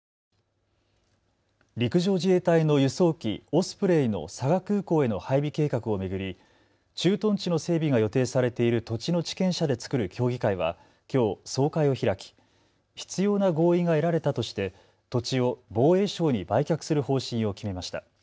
陸上自衛隊の輸送機オスプレイの佐賀空港への配備計画を巡り駐屯地の整備が予定されている土地の地権者で作る協議会はきょう総会を開き必要な合意が得られたとして土地を防衛省に売却する方針を決めました。